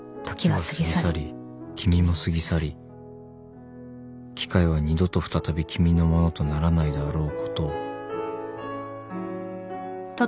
「時は過ぎ去り君も過ぎ去り機会は二度と再び君のものとならないであろうことを」